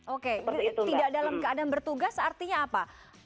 oke tidak dalam keadaan bertugas artinya apa